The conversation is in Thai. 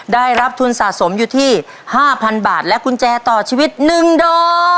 ได้รับทุนสะสมอยู่ที่๕๐๐บาทและกุญแจต่อชีวิต๑ดอก